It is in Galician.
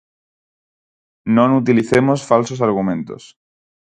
Non utilicemos falsos argumentos.